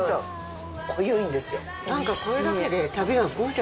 濃ゆいんですよ。